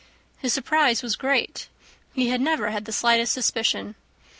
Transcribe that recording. His surprise was great. He had never had the slightest suspicion.